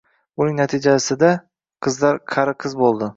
Buning natijasida qizlar qari qiz boʻldi.